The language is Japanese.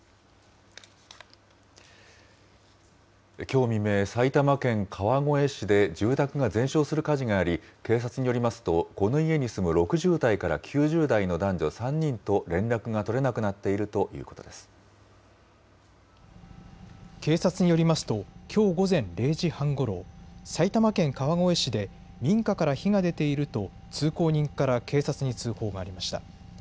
きょう未明、埼玉県川越市で住宅が全焼する火事があり、警察によりますと、この家に住む６０代から９０代の男女３人と連絡が取れなくなって警察によりますと、きょう午前０時半ごろ、埼玉県川越市で、民家から火が出ていると通行人から警察に通報がありました。